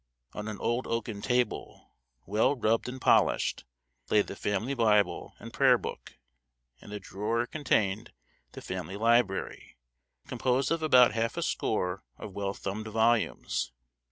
On an old oaken table, well rubbed and polished, lay the family Bible and prayer book, and the drawer contained the family library, composed of about half a score of well thumbed volumes.